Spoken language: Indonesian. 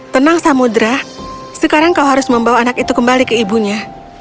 tenang samudera sekarang kau harus membawa anak itu kembali ke ibunya